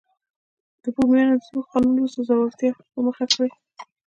د بومیانو د ځمکو قانون وروسته ځوړتیا په مخه کړې.